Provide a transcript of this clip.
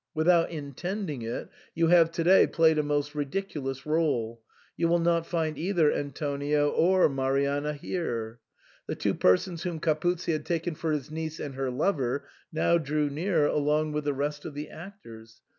Without intending it, you have to day played a most ridiculous r6le. You will not find either Antonio or Marianna here." The two persons whom Capuzzi had taken for his niece and her lover now drew near, along with the rest of the actors.